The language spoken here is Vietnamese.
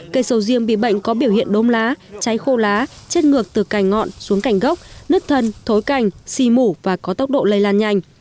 cây sầu riêng bị bệnh có biểu hiện đôm lá cháy khô lá chất ngược từ cành ngọn xuống cành gốc nứt thân thối cành si mủ và có tốc độ lây lan nhanh